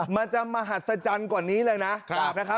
มันจะมหัศจรรย์กว่านี้เลยนะ